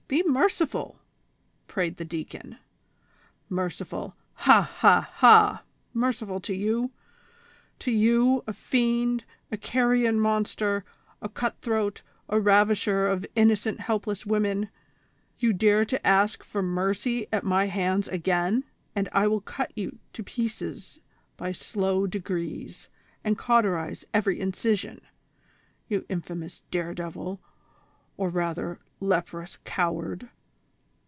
be merciful !" prayed the deacon. "Merciful! ha! ha! ha! merciful to you; to you, a fiend, a carrion monster, a cut throat, a ravisher of inno cent helpless women ; you dare to ask for mercy at my hands again, and I will cut you to pieces by slow degrees, and cauterize every incision, you infamous dare devil, or rather leprous coward.